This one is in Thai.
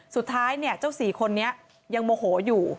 สุดท้ายเนี่ยเจ้า๔คนนี้ยังโมโหอยู่